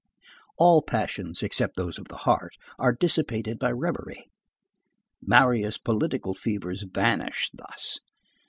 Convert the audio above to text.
All passions except those of the heart are dissipated by reverie. Marius' political fevers vanished thus.